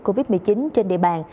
covid một mươi chín trên địa bàn